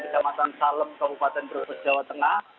di jaman salem kabupaten brebes jawa tengah